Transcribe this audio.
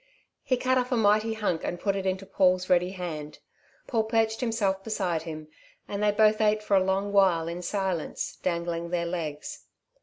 He cut off a mighty hunk and put it into Paul's ready hand. Paul perched himself beside him, and they both ate for a long while in silence, dangling their legs.